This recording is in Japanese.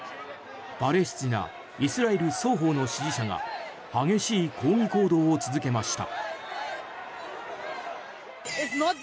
パレスチナイスラエル双方の支持者が激しい抗議行動を続けました。